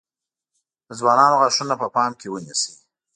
د ځوانانو غاښونه په پام کې ونیسئ.